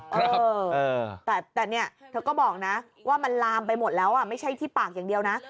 เออแต่เนี่ยเธอก็บอกนะว่ามันลามไปหมดแล้วไม่ใช่ที่ปากอย่างเดียวนะ